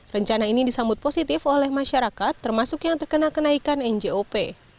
rencana ini disambut positif oleh masyarakat termasuk yang terkena kenaikan njop